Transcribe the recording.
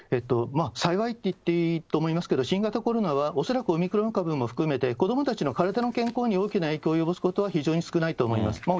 幸いっていっていいと思いますけれども、新型コロナは、恐らくオミクロン株も含めて、子どもたちの体の健康に大きな影響を及ぼすことは非常に少ないと思います。